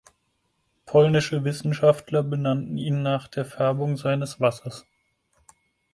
Polnische Wissenschaftler benannten ihn nach der Färbung seines Wassers.